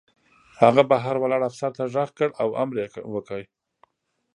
هغه بهر ولاړ افسر ته غږ کړ او امر یې وکړ